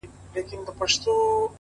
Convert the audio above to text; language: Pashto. لمر چي د ميني زوال ووهي ويده سمه زه؛